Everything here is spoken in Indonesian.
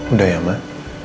udah ya mak